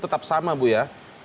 tetap sama bu ya